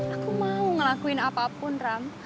aku mau ngelakuin apapun ram